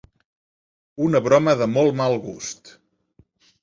Una broma ‘de molt mal gust’